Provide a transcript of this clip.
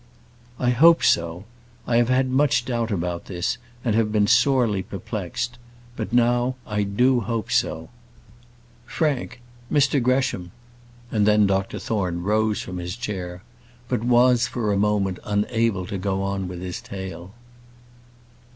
"I hope so. I have had much doubt about this, and have been sorely perplexed; but now I do hope so. Frank Mr Gresham " and then Dr Thorne rose from his chair; but was, for a moment, unable to go on with his tale.